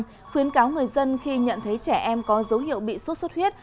từ năm khuyến cáo người dân khi nhận thấy trẻ em có dấu hiệu bị sốt xuất huyết